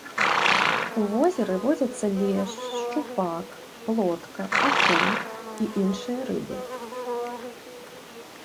У возеры водзяцца лешч, шчупак, плотка, акунь і іншыя рыбы.